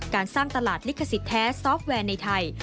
การสร้างตลาดลิขสิทธิแท้ซอฟต์แวร์ในไทย